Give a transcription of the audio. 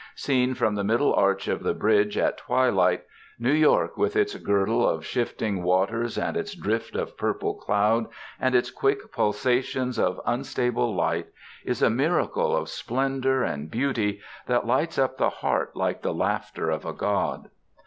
Seen from the middle arch of the bridge at twilight, New York with its girdle of shifting waters and its drift of purple cloud and its quick pulsations of unstable light is a miracle of splendor and beauty that lights up the heart like the laughter of a god.